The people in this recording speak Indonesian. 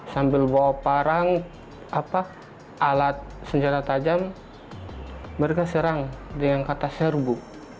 sambil bawa parang alat senjata tajam mereka serang dengan kata serbu